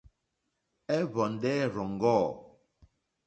Ɛ́hwɔ̀ndɛ́ ɛ́ rzɔ́ŋɡɔ̂.